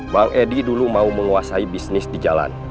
bang edi dulu mau menguasai bisnis di jalan